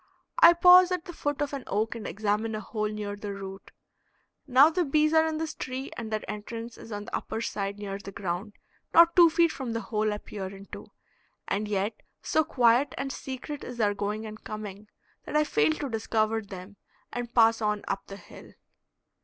I pause at the foot of an oak and examine a hole near the root; now the bees are in this tree and their entrance is on the upper side near the ground, not two feet from the hole I peer into, and yet so quiet and secret is their going and coming that I fail to discover them and pass on up the hill.